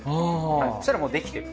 そしたらもう出来てる。